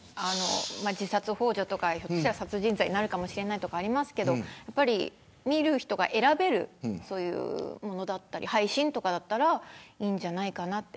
自殺ほう助や殺人罪になるかもしれませんけど見る人が選べるものだったり配信とかだったらいいんじゃないかなと。